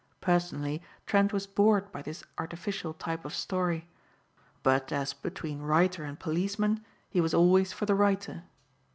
Personally Trent was bored by this artificial type of story; but as between writer and policeman he was always for the writer.